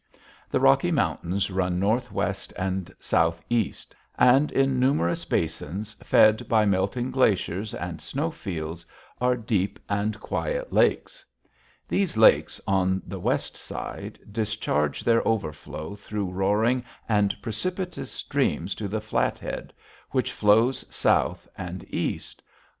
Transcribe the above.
The Rocky Mountains run northwest and southeast, and in numerous basins, fed by melting glaciers and snow fields, are deep and quiet lakes. These lakes, on the west side, discharge their overflow through roaring and precipitous streams to the Flathead, which flows south and east.